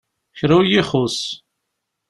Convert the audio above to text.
Kra ur iyi-ixus.